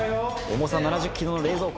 重さ７０ｋｇの冷蔵庫